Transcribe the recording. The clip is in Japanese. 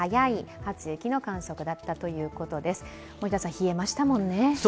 冷えましたもんね。